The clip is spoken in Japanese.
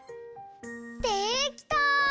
できた！